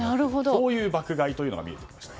そういう爆買いというのが見えてきました。